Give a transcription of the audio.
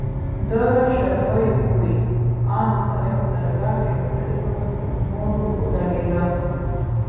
د شبيو بوى ان د سراى په درگاه کښې د سړي په سپږمو لگېده.